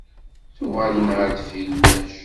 Tuɣalin ɣer deffir ulac!